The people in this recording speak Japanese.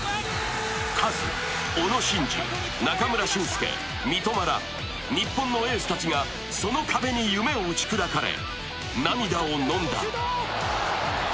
カズ、小野伸二、中村俊輔、三笘ら日本のエースたちがその壁に夢を打ち砕かれ、涙をのんだ。